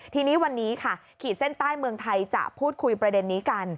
ทีนี้วันนี้ค่ะขีดเส้นใต้เมืองไทยจะพูดคุยประเด็นนี้กัน